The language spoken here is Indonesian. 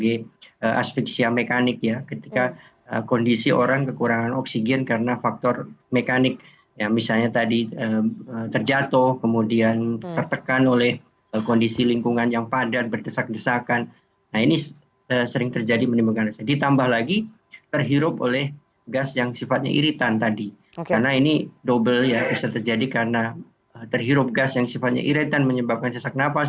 ini dobel ya bisa terjadi karena terhirup gas yang sifatnya iritan menyebabkan sesak nafas